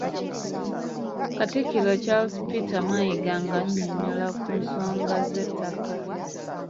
Katikkiro Charles Peter Mayiga nga annyonnyola ku nsonga z'ettaka.